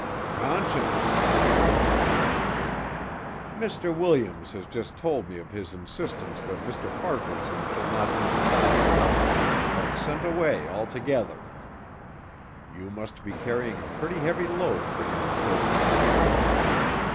"Conscience," he began thoughtfully, "Mr. Williams has just told me of his insistence that Mr. Farquaharson shall not only be denied the house, but sent away altogether. You must be carrying a pretty heavy load for young shoulders."